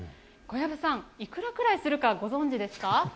小籔さん、いくらぐらいするか、ご存じですか？